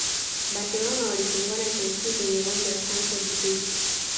barcelona walifungwana chelsea kwenye uwanja wa stamford bridge